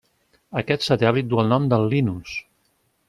Aquest satèl·lit du el nom de Linus.